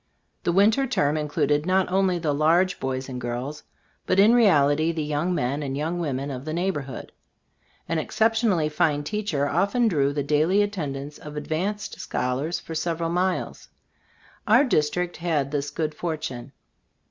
The winter term in cluded not only the large boys and girls, but in reality the young men and young women of the neighbor hood. An exceptionally fine teacher often drew the daily attendance of ad vanced scholars for several miles. Our 28 Zbe StotB of As Cbf Ifcboofc district had this good fortune.